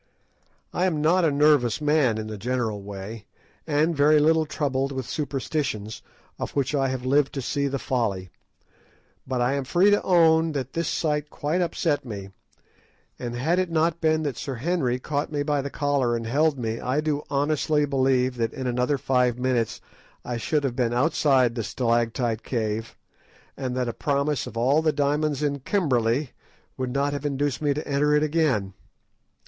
I am not a nervous man in a general way, and very little troubled with superstitions, of which I have lived to see the folly; but I am free to own that this sight quite upset me, and had it not been that Sir Henry caught me by the collar and held me, I do honestly believe that in another five minutes I should have been outside the stalactite cave, and that a promise of all the diamonds in Kimberley would not have induced me to enter it again.